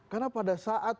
karena pada saat